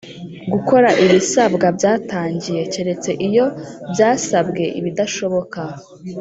Gukora ibisabwa byatangiye keretse iyo byasabwe ibidashoboka